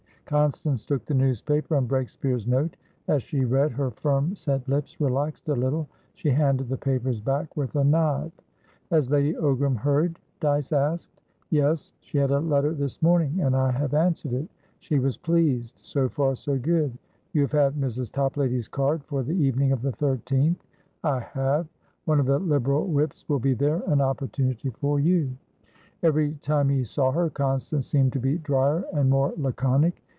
Constance took the newspaper and Breakspeare's note. As she read, her firm set lips relaxed a little. She handed the papers back with a nod. "Has Lady Ogram heard?" Dyce asked. "Yes; she had a letter this morning, and I have answered it. She was pleased. So far, so good. You have had Mrs. Toplady's card for the evening of the 13th?" "I have." "One of the Liberal whips will be therean opportunity for you." Every time he saw her, Constance seemed to be drier and more laconic.